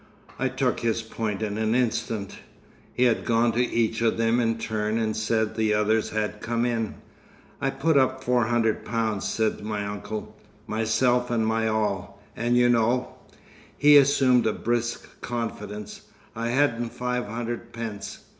I took his point in an instant. He had gone to each of them in turn and said the others had come in. "I put up four hundred pounds," said my uncle, "myself and my all. And you know—" He assumed a brisk confidence. "I hadn't five hundred pence.